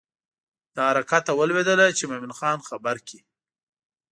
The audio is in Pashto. له حرکته ولوېدله چې مومن خان خبر کړي.